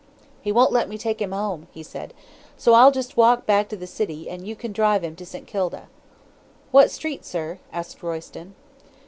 "'He won't let me take him home,' he said, 'so I'll just walk back to the city, and you can drive him to St. Kilda.' "'What street, sir?' asked Royston.